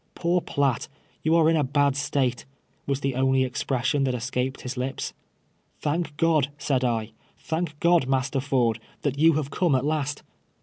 " Poor Piatt, you are in a bad state," was the only expression tliat escaped his lips. " Tliank God !" said I, " thank God, Master Ford, that you have come at last."